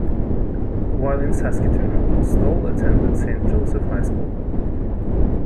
While in Saskatoon, Stoll attended Saint Joseph High School.